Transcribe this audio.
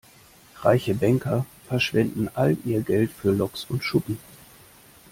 Reiche Banker verschwenden all ihr Geld für Loks und Schuppen.